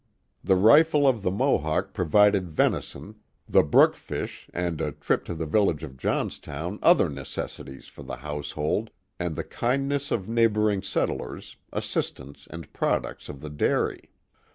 The rifle of the Mohawk provided venison, the brook fish, and a trip to the village of Johnstown other necessities for the household, and the kindness of neighbor ing settlers, assistance and products of the dairy.